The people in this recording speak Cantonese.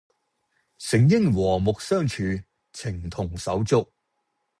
誠應和睦相處，情同手足